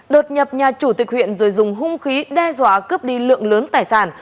đột nhập nhà chủ tịch huyện rồi dùng hung khí đe dọa cướp đi lượng lớn tài sản